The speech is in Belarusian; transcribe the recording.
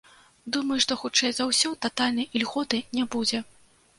Думаю, што хутчэй за ўсё татальнай ільготы не будзе.